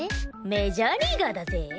メジャーリーガーだぜ？